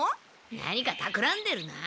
何かたくらんでるな？